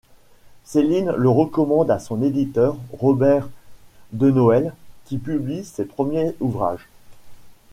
Céline le recommande à son éditeur, Robert Denoël, qui publie ses premiers ouvrages.